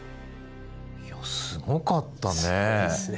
いやすごかったね。